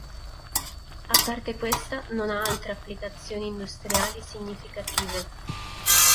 A parte questa, non ha altre applicazioni industriali significative.